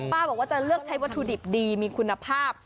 บอกว่าจะเลือกใช้วัตถุดิบดีมีคุณภาพ